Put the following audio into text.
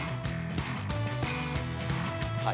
はい。